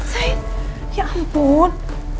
sain ya ampun